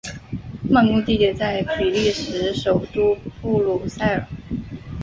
办公地点在比利时首都布鲁塞尔。